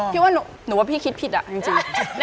พี่ว่าหนูว่าพี่คิดผิดอะจริง